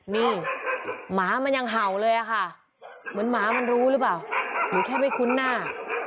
นี่หมามันยังเห่าเลยอะค่ะเหมือนหมามันรู้หรือเปล่าหรือแค่ไม่คุ้นหน้า